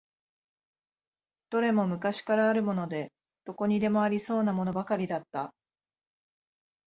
どれも昔からあるもので、どこにでもありそうなものばかりだった。